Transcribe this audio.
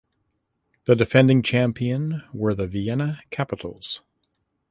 The defending champion were the Vienna Capitals.